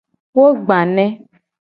Wo gba ne.